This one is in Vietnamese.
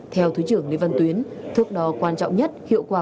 theo thứ trưởng lê văn tuyến thuộc đó quan trọng nhất hiệu quả